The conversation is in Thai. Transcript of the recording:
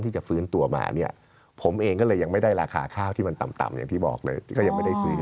แต่ว่ามันก็ต้องเรียนว่าข้าวเนี่ยยังไม่ได้ออก